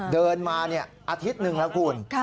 เดินมาอาทิตย์หนึ่งแล้วคุณ